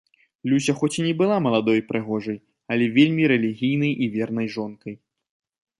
Люся хоць і не была маладой і прыгожай, але вельмі рэлігійнай і вернай жонкай.